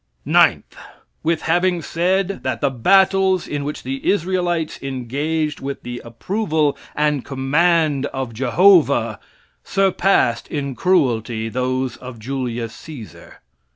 Ninth. With having said that the battles in which the Israelites engaged with the approval and command of Jehovah surpassed in cruelty those of Julius Caesar.